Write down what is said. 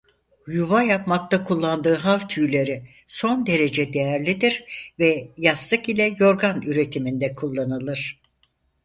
Yuva yapmakta kullandığı hav tüyleri son derece değerlidir ve yastık ile yorgan üretiminde kullanılır.